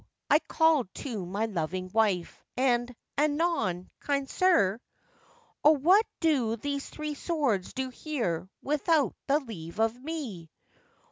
I called to my loving wife, and 'Anon, kind sir!' 'O! what do these three swords do here, without the leave of me?